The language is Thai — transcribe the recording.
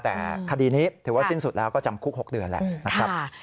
แต่คดีนี้ถือว่าสิ้นสุดแล้วก็จำคุก๖เดือนแล้วนะครับ